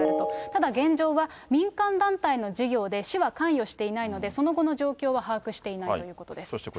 ただ現状は、民間団体の事業で市は関与していないので、その後の状況は把握しそしてこちらですね。